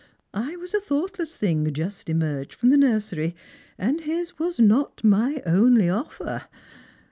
I was a thoughtless thing just emerged from the nursery, and his was not my only olfer.